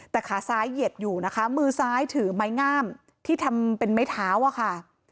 แต่ขาซ้ายเหยียดอยู่นะคะมือซ้ายถือไม้งามที่ทำเป็นไม้เท้าอะค่ะ